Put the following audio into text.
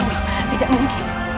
ya allah tidak mungkin